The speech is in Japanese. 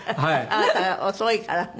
あなたが遅いからね。